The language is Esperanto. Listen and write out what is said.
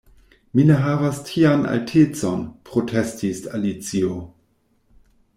"Mi ne havas tian altecon," protestis Alicio.